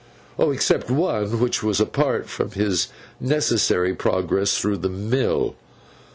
Except one, which was apart from his necessary progress through the mill.